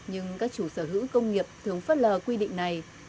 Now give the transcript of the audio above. nhưng các chủ sở hữu công nghiệp thường phớt lờ quy định này